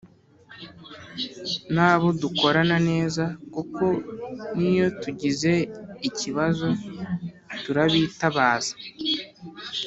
nabo dukorana neza, kuko n’iyo tugize ikibazo turabitabaza